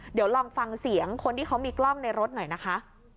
เดี๋ยวลองฟังเสียงคนที่เขามีกล้องในรถหน่อยนะคะ